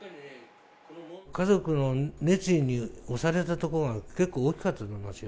家族の熱意に押されたところが、結構大きかったと思いますよ。